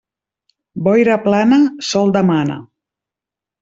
Boira plana, sol demana.